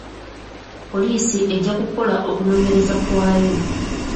Poliisi ejja kukola okunoonyereza kwayo.